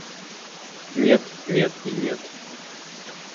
Нет, нет и нет.